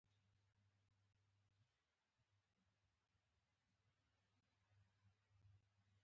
خولۍ د زړه خوږ یاد پاتې کېږي.